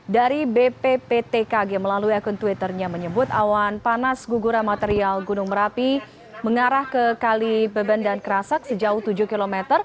dari bpptkg melalui akun twitternya menyebut awan panas guguran material gunung merapi mengarah ke kali beben dan kerasak sejauh tujuh km